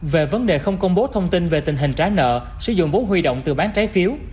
về vấn đề không công bố thông tin về tình hình trả nợ sử dụng vốn huy động từ bán trái phiếu